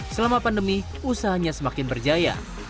selama pandemi usahanya semakin berjaya